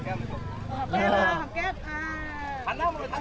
แบบนี้ก็คือข้อมูลใจ